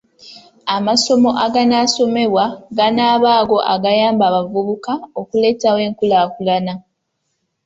Amasomo aganaasomesebwa ganaaba ago agayamba abavubuka okuleetawo enkulaakulana.